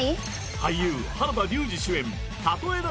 俳優・原田龍二主演！